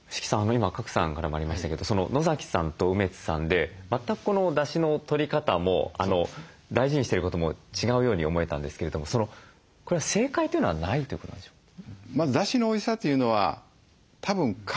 今賀来さんからもありましたけど野さんと梅津さんで全くだしのとり方も大事にしてることも違うように思えたんですけれどもこれは正解というのはないということなんでしょうか？